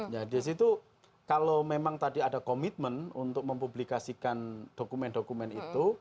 ya di situ kalau memang tadi ada komitmen untuk mempublikasikan dokumen dokumen itu